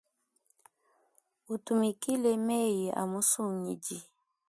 Utumikile meyi a musungidi.